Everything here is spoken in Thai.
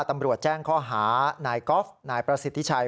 ตำรวจแจ้งข้อหานายกอล์ฟนายประสิทธิชัย